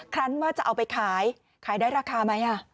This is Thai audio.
รั้นว่าจะเอาไปขายขายได้ราคาไหม